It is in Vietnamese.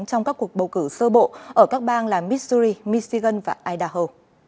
trong các cuộc bầu cử sơ bộ ở các bang là mitsuri michigan và idaho